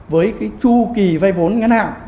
với chu kỳ vây vốn ngân hàng